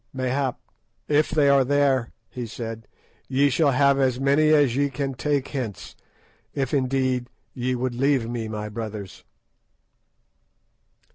"Mayhap; if they are there," he said, "ye shall have as many as ye can take hence—if indeed ye would leave me, my brothers."